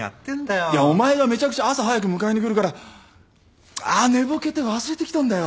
いやお前がめちゃくちゃ朝早く迎えに来るから寝ぼけて忘れてきたんだよ。